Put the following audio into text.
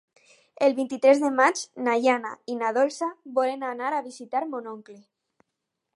El vint-i-tres de maig na Jana i na Dolça volen anar a visitar mon oncle.